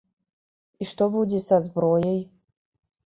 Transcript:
І што будзе са зброяй?